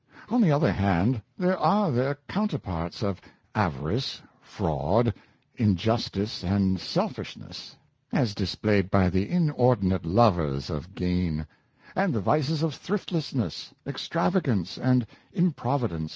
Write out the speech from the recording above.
On the other hand, there are their coun terparts of avarice, fraud, injustice, and selfishness, as displayed by the inordinate lovers of gain; and the vices of thriftlessness, extravagance, and improvidence^ Self denial.